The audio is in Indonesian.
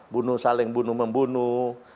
bunuh saling bunuh membunuh